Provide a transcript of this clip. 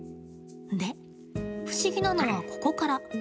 で、不思議なのは、ここから。